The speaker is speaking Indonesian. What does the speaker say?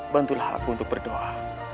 bantulah aku untuk berdoa